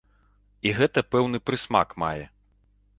І гэта пэўны прысмак мае.